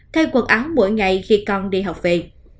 thay quật án mỗi ngày khi con đi học về